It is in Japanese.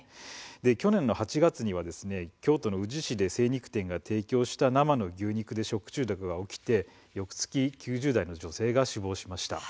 去年８月には京都の宇治市で精肉店が提供した生の牛肉で食中毒が起きて９０代の女性が死亡しました。